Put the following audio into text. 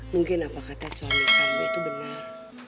mungkin apa kata suami kami itu benar